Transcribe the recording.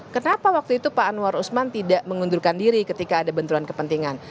kenapa waktu itu pak anwar usman tidak mengundurkan diri ketika ada benturan kepentingan